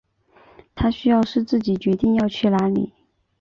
他需要是自己决定要去哪里